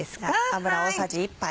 油大さじ１杯。